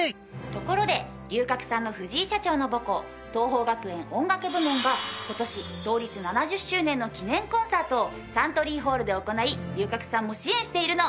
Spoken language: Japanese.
ところで龍角散の藤井社長の母校桐朋学園音楽部門が今年創立７０周年の記念コンサートをサントリーホールで行い龍角散も支援しているの。